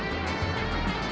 jangan makan aku